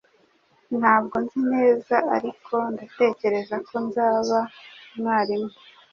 Ntabwo nzi neza ariko ndatekereza ko nzaba umwarimu